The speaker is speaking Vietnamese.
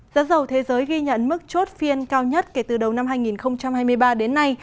giá dầu thế giới ghi nhận mức chốt phiên cao nhất kể từ đầu năm hai nghìn hai mươi ba đến nay